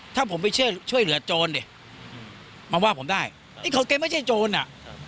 ถ้าผมไปช่วยเหลือโจรเนี้ยมาว่าผมได้ไอ้เขาแกไม่ใช่โจรอ่ะ